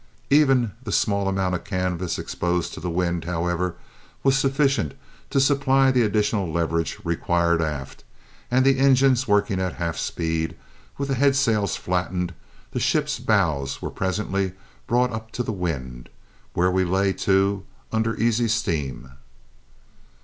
Even the small amount of canvas exposed to the wind, however, was sufficient to supply the additional leverage required aft; and the engines working at half speed, with the headsails flattened, the ship's bows were presently brought up to the wind, when we lay to under easy steam.